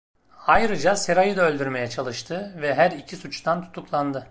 Ayrıca Sarah’yı da öldürmeye çalıştı ve her iki suçtan tutuklandı.